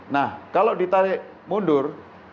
nah kalau ditarik mundur